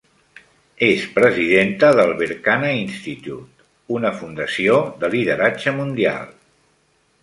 És presidenta del Berkana Institute, una fundació de lideratge mundial.